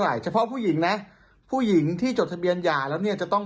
เฉพาะผู้หญิงนะผู้หญิงที่จดทะเบียนหย่าแล้วเนี่ยจะต้อง